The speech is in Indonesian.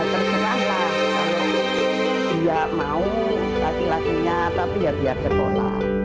terserah dia mau laki lakinya tapi ya biar sekolah